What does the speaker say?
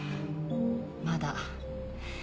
まだ。